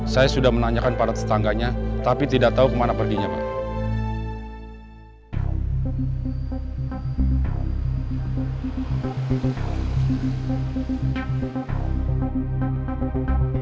saya sudah menanyakan pada tetangganya tapi tidak tahu kemana perginya pak